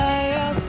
kei pang puy